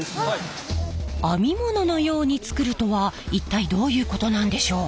編み物のように作るとは一体どういうことなんでしょう？